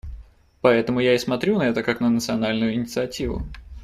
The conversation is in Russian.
Поэтому я и смотрю на это как на национальную инициативу.